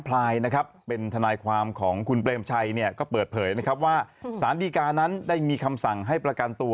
พลายนะครับเป็นทนายความของคุณเปรมชัยเนี่ยก็เปิดเผยนะครับว่าสารดีกานั้นได้มีคำสั่งให้ประกันตัว